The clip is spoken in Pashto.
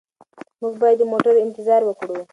موږ باید د موټر انتظار وکړو.